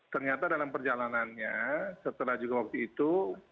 ternyata dalam perjalanannya setelah juga waktu itu